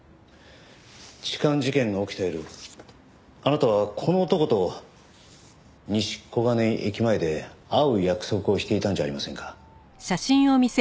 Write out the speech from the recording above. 痴漢事件が起きた夜あなたはこの男と西小金井駅前で会う約束をしていたんじゃありませんか？